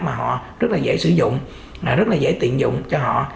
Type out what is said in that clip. mà họ rất dễ sử dụng rất dễ tiện dụng cho họ